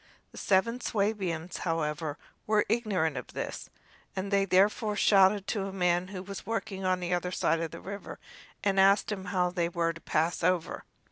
The seven Swabians, however, were ignorant of this, and they therefore shouted to a man who was working on the other side of the river and asked him how they were to pass over.